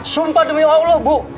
sumpah demi allah bu